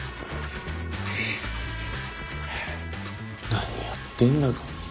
何やってんだか。